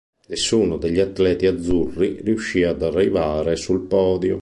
Nessuno degli atleti azzurri riuscì ad arrivare sul podio.